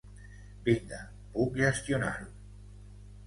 Vinga, puc gestionar-ho.